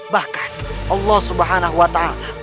bahkan allah subhanahu wa ta'ala